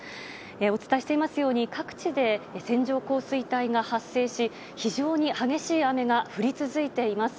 お伝えしていますように各地で線状降水帯が発生し非常に激しい雨が降り続いています。